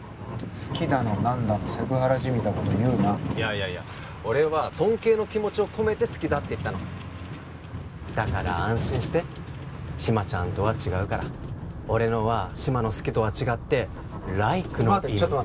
好きだの何だのセクハラじみたこと言うないやいやいや俺は尊敬の気持ちを込めて好きだって言ったのだから安心して志摩ちゃんとは違うから俺のは志摩の好きとは違ってライクの意味